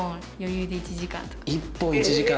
１本１時間？